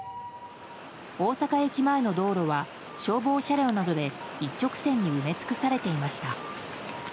大阪駅前の道路は消防車両などで一直線に埋め尽くされていました。